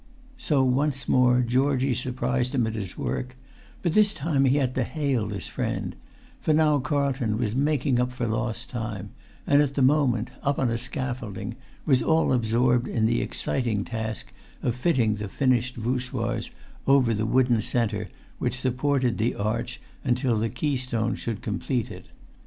So once more Georgie surprised him at his work; but this time he had to hail his friend; for now Carlton was making up for lost time, and at the moment, up on a scaffolding, was all absorbed in the exciting task of fitting the finished voussoirs over the wooden centre which supported the arch until the keystone should complete it.